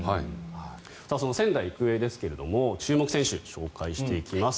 その仙台育英ですが注目選手、紹介していきます。